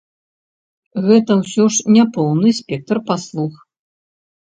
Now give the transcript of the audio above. Гэта ўсё ж не поўны спектр паслуг!